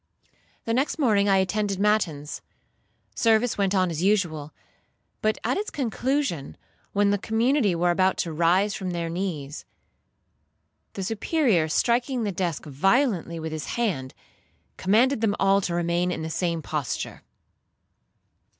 The next morning I attended matins. Service went on as usual, but at its conclusion, when the community were about to rise from their knees, the Superior, striking the desk violently with his hand, commanded them all to remain in the same posture.